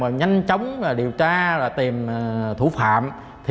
để tiến hành nhanh chóng điều tra và tìm thủ phạm